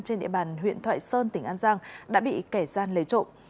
trên địa bàn huyện thoại sơn tỉnh an giang đã bị kẻ gian lấy trộm